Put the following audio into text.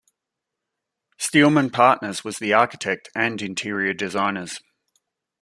Steelman Partners was the architect and interior designers.